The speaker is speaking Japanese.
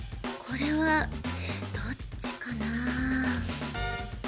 これはどっちかな。